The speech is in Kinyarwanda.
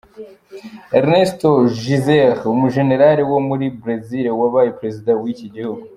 Ernesto Geisel, umujenerali wo muri Bresil wabaye perezida wa w’iki gihugu.